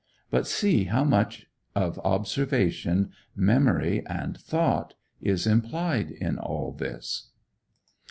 But see how much of observation, memory, and thought is implied in all this.